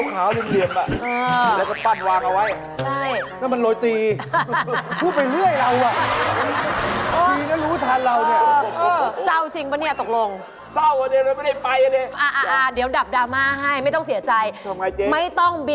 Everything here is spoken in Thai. ข้าวปุ้นนี้แล้วก็ชอยต้องมีอยากกินนี่ไง